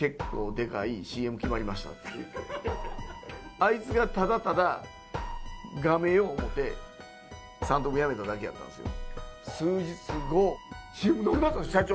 あいつがただただがめよう思うて三等分やめただけやったんですよ。